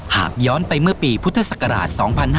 หากย้อนไปเมื่อปีพุทธศักราช๒๕๕๙